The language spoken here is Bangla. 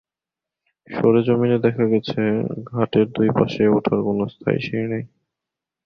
সরেজমিনে দেখা গেছে, ঘাটের দুই পাশে ওঠার কোনো স্থায়ী সিঁড়ি নেই।